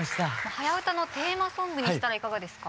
「はやウタ」のテーマソングにしたらいかがですか？